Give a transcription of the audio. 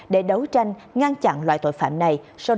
để đấu tranh ngăn chặn loại tội phạm này